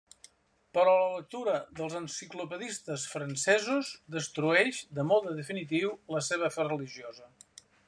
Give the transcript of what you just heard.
Però la lectura dels enciclopedistes francesos destrueix de mode definitiu la seva fe religiosa.